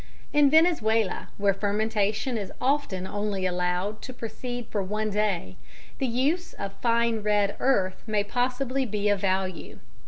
In Venezuela, where fermentation is often only allowed to proceed for one day, the use of fine red earth may possibly be of value.